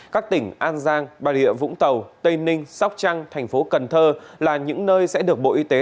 các tỉnh an giang bà rịa vũng tàu tây ninh sóc trăng thành phố cần thơ là những nơi sẽ được bộ y tế